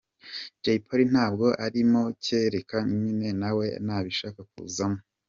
Jay Polly ntabwo arimo kereka nyine nawe nabishaka kuzamo”.